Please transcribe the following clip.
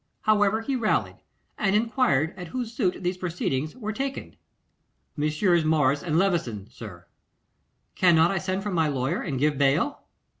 However, he rallied, and enquired at whose suit these proceedings were taken. 'Messrs. Morris and Levison, sir.' 'Cannot I send for my lawyer and give bail?